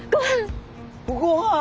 ごはん！